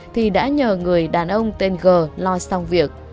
thì đã nhờ người đàn ông tên g lo xong việc